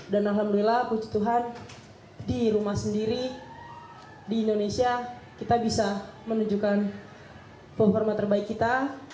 dan alhamdulillah puji tuhan di rumah sendiri di indonesia kita bisa menunjukkan performa terbaik kita